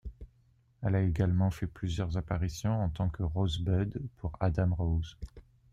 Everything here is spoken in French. Elle a également fait plusieurs appariitons en tant que Rosebud pour Adam Rose.